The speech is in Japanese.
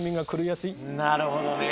なるほどね。